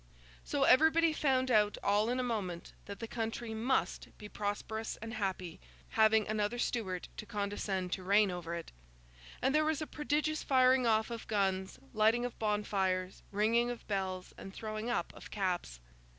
So, everybody found out all in a moment that the country must be prosperous and happy, having another Stuart to condescend to reign over it; and there was a prodigious firing off of guns, lighting of bonfires, ringing of bells, and throwing up of caps.